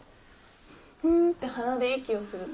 ふんって鼻で息をすると。